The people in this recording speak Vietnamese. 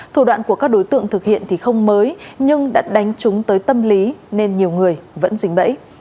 thủ đoạn của các đối tượng thực hiện thì không mới nhưng đã đánh chúng tới tâm lý nên nhiều người vẫn dính bẫy